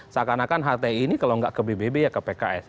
seakan akan hti ini kalau nggak ke bbb ya ke pks